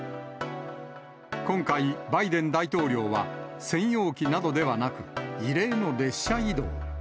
今回、バイデン大統領は、専用機などではなく、異例の列車移動。